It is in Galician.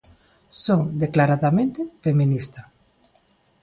Son declaradamente feminista.